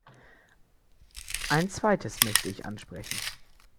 Ein zweites möchte ich ansprechen.